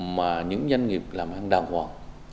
mà những doanh nghiệp làm hàng đàng hoàng